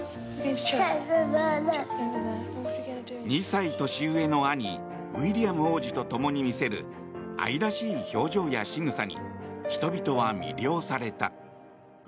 ２歳年上の兄ウィリアム王子と共に見せる愛らしい表情やしぐさに人々は魅了された。